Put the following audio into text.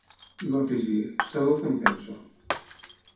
I va afegir: Sabeu què en penso.